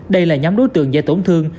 đây là nhóm đối tượng dễ tổn thương